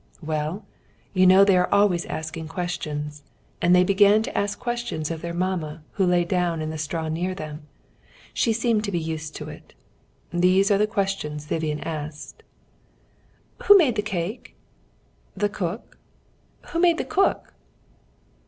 "Well, you know they are always asking questions, and they began to ask questions of their mamma, who lay down in the straw near them. She seemed to be used to it. These are the questions Vivian asked: "'Who made the cake?' "'The cook.' "'Who made the cook?'